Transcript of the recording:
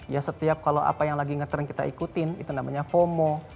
ya setiap kalau apa yang lagi ngetren kita ikutin itu namanya fomo